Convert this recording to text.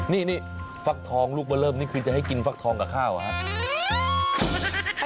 นี่ฟักทองลูกเบอร์เริ่มนี่คือจะให้กินฟักทองกับข้าวเหรอครับ